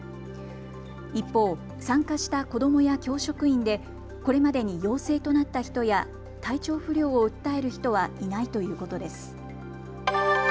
一方、参加した子どもや教職員でこれまでに陽性となった人や体調不良を訴える人はいないということです。